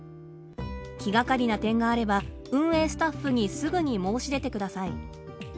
気がかりな点があれば運営スタッフにすぐに申し出てください。